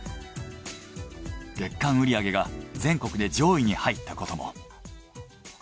月間売り上げが全国で上位に入ったことも。